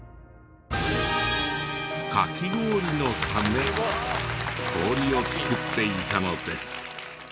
カキ氷のため氷を作っていたのです。